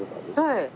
はい。